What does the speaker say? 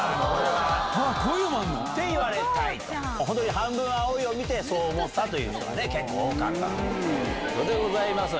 『半分、青い。』を見てそう思ったという人が結構多かったということでございます。